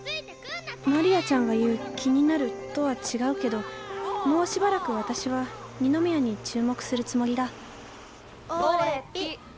マリアちゃんが言う気になるとは違うけどもうしばらく私は二宮に注目するつもりだオレッピ！